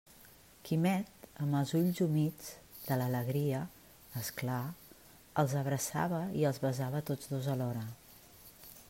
Quimet, amb els ulls humits, de l'alegria, és clar!, els abraçava i els besava a tots dos alhora.